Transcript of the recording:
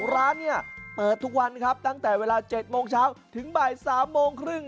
ร้านเนี่ยเปิดทุกวันครับตั้งแต่เวลา๗โมงเช้าถึงบ่าย๓โมงครึ่ง